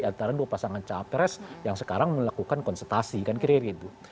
ikut salah satu di antara dua pasangan capres yang sekarang melakukan konsultasi kan kira kira gitu